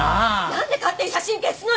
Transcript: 何で勝手に写真消すのよ！